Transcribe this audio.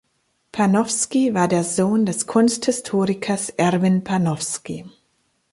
Panofsky war der Sohn des Kunsthistorikers Erwin Panofsky.